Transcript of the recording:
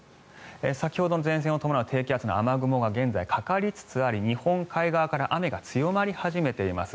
先ほどの前線を伴う低気圧の雨雲が現在、かかりつつあり日本海側から雨が強まり始めています。